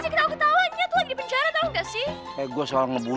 ketawanya tuh di penjara tahu enggak sih gue soal ngebunuh